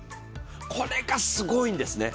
これがすごいですね。